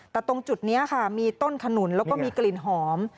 แต่ตรงจุดนี้ค่ะมีต้นขนุนแล้วก็มีกลิ่นหอม